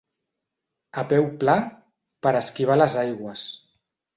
A peu pla, per esquivar les aigües.